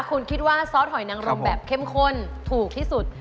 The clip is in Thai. คุณคิดว่าซอสหอยนังรมแบบเข้มข้นถูกที่สุด